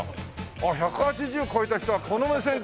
あっ１８０超えた人はこの目線か！